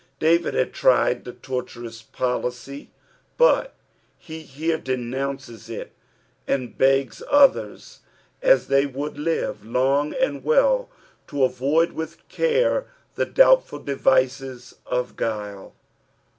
I David hsd tried the tortuous policy, but he here denounces it, and begs others I as they would live long and well to avoid with care the doubtful devices of Rvdle.